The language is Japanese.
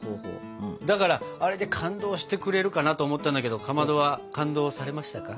だからあれで感動してくれるかなと思ったんだけどかまどは感動されましたか？